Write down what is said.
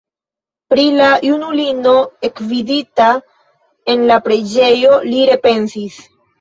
Pri la junulino ekvidita en la preĝejo li repensis.